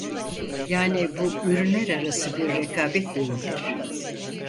Yani bu ürünler arası bir rekabet değildir.